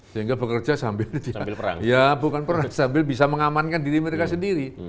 sehingga bekerja sambil ya bukan perang sambil bisa mengamankan diri mereka sendiri